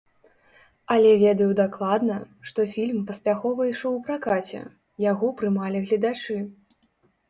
Але ведаю дакладна, што фільм паспяхова ішоў у пракаце, яго прымалі гледачы.